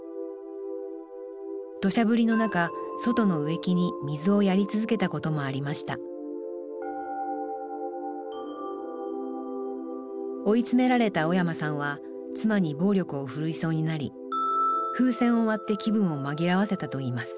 土砂降りの中外の植木に水をやり続けたこともありました追い詰められた小山さんは妻に暴力を振るいそうになり風船を割って気分を紛らわせたといいます